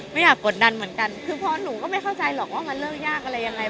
ไม่อยากกดดันเหมือนกันคือพอหนูก็ไม่เข้าใจหรอกว่ามันเลิกยากอะไรยังไง